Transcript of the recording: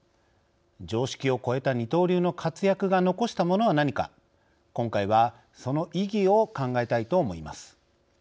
常識を超えた二刀流の活躍が残したものは何か今回は、その意義を考えたいと思います。